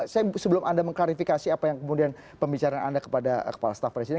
saya sebelum anda mengklarifikasi apa yang kemudian pembicaraan anda kepada kepala staf presiden